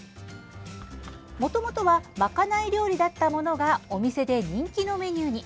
もともとはまかない料理だったものがお店で人気のメニューに。